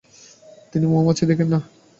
তিনি মৌমাছি বেছে নেন।